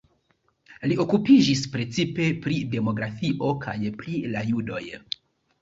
Li okupiĝis precipe pri demografio kaj pri la judoj.